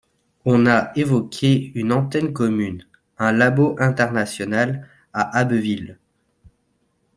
on a évoqué une antenne commune, un labo international, à Abbeville